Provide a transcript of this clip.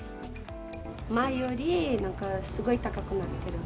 前よりなんかすごい高くなってる。